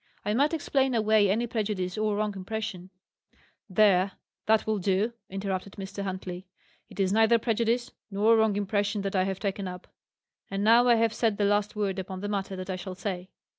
I might explain away any prejudice or wrong impression " "There, that will do," interrupted Mr. Huntley. "It is neither prejudice nor wrong impression that I have taken up. And now I have said the last word upon the matter that I shall say."